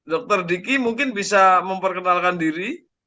dr diki mungkin bisa memperkenalkan diri